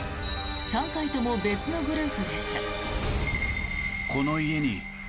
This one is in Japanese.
３回とも別のグループでした。